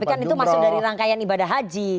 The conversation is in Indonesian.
tapi kan itu masuk dari rangkaian ibadah haji